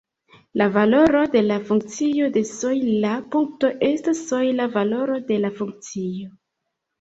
La valoro de la funkcio je sojla punkto estas sojla valoro de la funkcio.